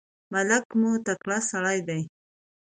ملک مو تکړه سړی دی.